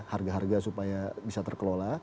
harga harga supaya bisa terkelola